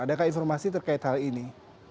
adakah informasi terkait hal ini